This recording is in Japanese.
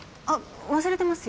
あっ